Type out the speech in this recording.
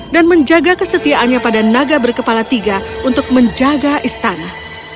dan menjaga kesetiaannya pada naga berkepala tiga untuk menjaga istana